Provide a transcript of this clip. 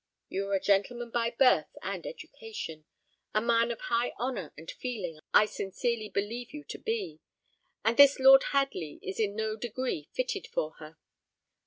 You are a gentleman by birth and education; a man of high honour and feeling I sincerely believe you to be, and this Lord Hadley is in no degree fitted for her.